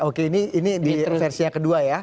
oke ini versinya kedua ya